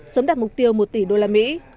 sớm đạt mục tiêu một tỷ đô la mỹ